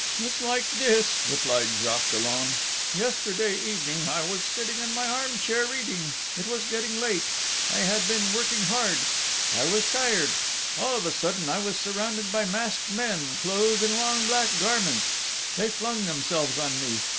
'It is like this,' replied Jacques Dollon.... 'Yesterday evening I was sitting in my arm chair reading. It was getting late. I had been working hard.... I was tired.... All of a sudden I was surrounded by masked men, clothed in long black garments: they flung themselves on me.